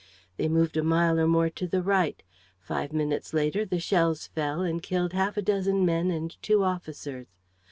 They moved a mile or more to the right. Five minutes later the shells fell and killed half a dozen men and two officers.